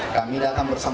kami datang berharap